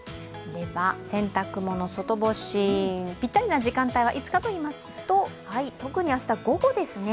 洗濯物、外干しにぴったりな時間帯はいつかといいますと特に明日、午後ですね。